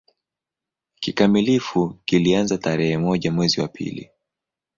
Kikamilifu kilianza tarehe moja mwezi wa pili